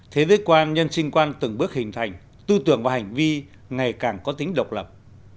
thế giới quan nhân sinh quan từng bước hình thành tư tưởng và hành vi ngày càng có tính độc lập